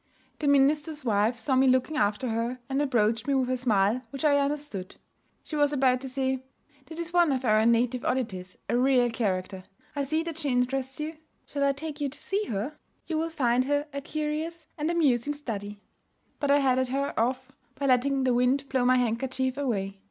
The minister's wife saw me looking after her, and approached me with a smile which I understood. She was about to say, 'That is one of our native oddities, a real character. I see that she interests you. Shall I take you to see her? You will find her a curious and amusing study.' But I headed her off by letting the wind blow my handkerchief away.